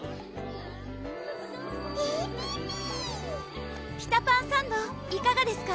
ピピピーピタパンサンドいかがですか？